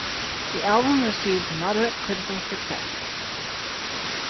The album received moderate critical success.